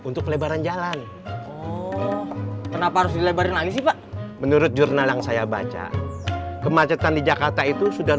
ngajarin gua main gitar